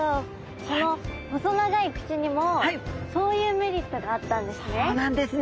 その細長い口にもそういうメリットがあったんですね。